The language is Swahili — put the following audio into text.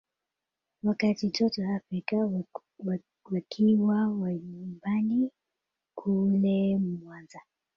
wakati toto africa wakiwa nyumbani kule mwanza